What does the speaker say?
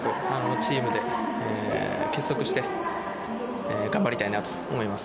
チームで結束して頑張りたいと思います。